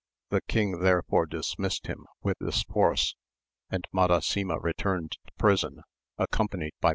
The king therefore dismissed him with this force, and Madasima returned to prison, accompanied by mp.